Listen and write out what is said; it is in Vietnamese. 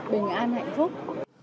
bình an hạnh phúc